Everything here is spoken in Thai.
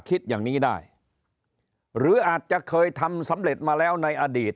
คิดอย่างนี้ได้หรืออาจจะเคยทำสำเร็จมาแล้วในอดีต